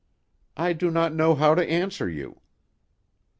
"I do not know how to answer you."